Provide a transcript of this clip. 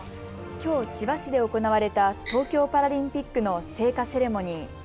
きょう千葉市で行われた東京パラリンピックの聖火セレモニー。